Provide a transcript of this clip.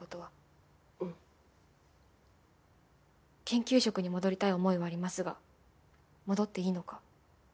研究職に戻りたい思いはありますが戻っていいのか。